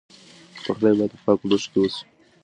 پخلی باید په پاکو لوښو کې وشي.